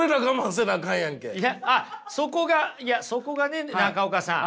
あっそこがそこがね中岡さん。